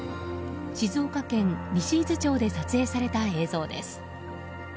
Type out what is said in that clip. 静岡県西伊豆町で撮影された映像です。